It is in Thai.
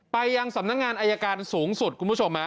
ไปยังสำนักงานอายการสูงสุดคุณผู้ชม